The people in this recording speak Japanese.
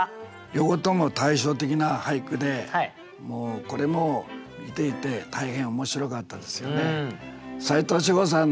両方とも対照的な俳句でこれも見ていて大変面白かったですよね。